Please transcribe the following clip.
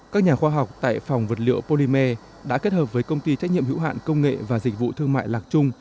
các nhà khoa học tại phòng vật liệu polymer đã kết hợp với công ty trách nhiệm hữu hạn công nghệ và dịch vụ thương mại lạc trung